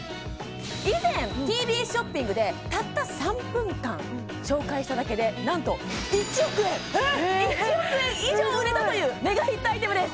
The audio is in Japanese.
以前ＴＢＳショッピングでたった３分間紹介しただけでなんと１億円１億円以上売れたというメガヒットアイテムです